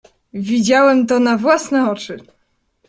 "Widziałem to na własne oczy."